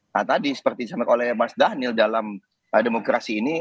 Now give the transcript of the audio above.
nah tadi seperti disampaikan oleh mas dhanil dalam demokrasi ini